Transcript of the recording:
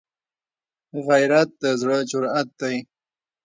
غیرت د زړه جرأت دی